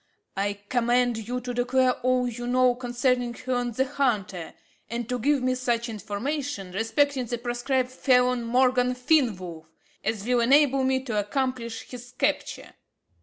I command you to declare all you know concerning Herne the Hunter, and to give me such information respecting the proscribed felon, Morgan Fenwolf, as will enable me to accomplish his capture."